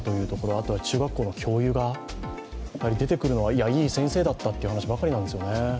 あとは中学校の教諭が出てくるのは、いい先生だったという話ばかりなんですよね。